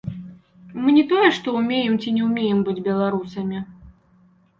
Мы не тое, што ўмеем ці не ўмеем быць беларусамі.